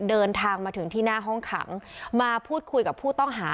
เดินทางมาถึงที่หน้าห้องขังมาพูดคุยกับผู้ต้องหา